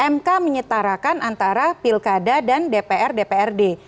mk menyetarakan antara pilkada dan dpr dprd